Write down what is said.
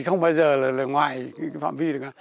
không bao giờ là ngoài phạm vi được